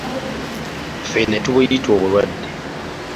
Ffe ne tubuyita obulwadde.